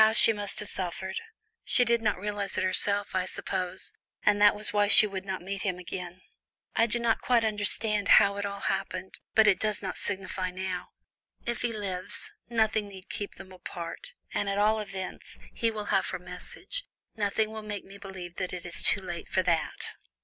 How she must have suffered! She did not realize it herself, I suppose, and that was why she would not meet him again. I do not quite understand how it all happened, but it does not signify now. If he lives, nothing need keep them apart, and at all events, he will have her message. Nothing will make me believe that it is too late for that."